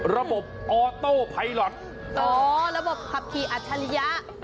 ระบบออโต้ไพลอทอ๋อระบบขับขี่อัจฉริยะ